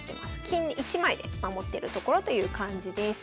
金１枚で守ってるところという感じです。